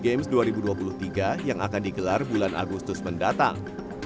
games dua ribu dua puluh tiga yang akan digelar bulan agustus mendatang